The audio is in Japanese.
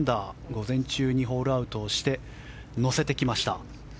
午前中にホールアウトをして乗せてきました。